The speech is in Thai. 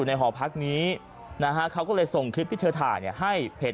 แต่ก็มีมาเลย